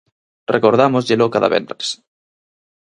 Recordámosllelo cada venres.